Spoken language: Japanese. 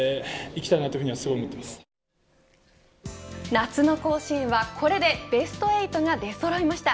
夏の甲子園はこれでベスト８が出そろいました。